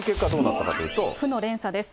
負の連鎖です。